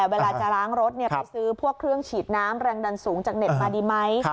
เวลาจะล้างรถไปซื้อพวกเครื่องฉีดน้ำแรงดันสูงจากเน็ตมาดีไหม